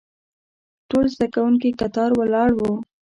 ټول زده کوونکي کتار ولاړ وو.